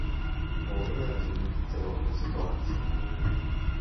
Modro je razumeti celotno situacijo.